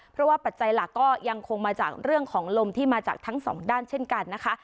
เพราะว่าปัจจัยหลักก็ยังคงมาจากเรื่องของลมที่มาจากทั้งสองด้านเช่นกันนะคะ